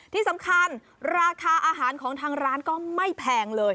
ที่สำคัญราคาอาหารของทางร้านก็ไม่แพงเลย